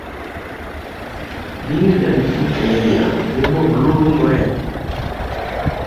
Bindu byanifuteya byoboba lulunwe.